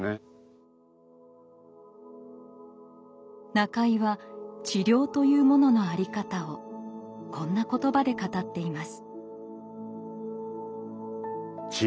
中井は治療というものの在り方をこんな言葉で語っています。